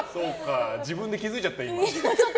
自分で気づいちゃった。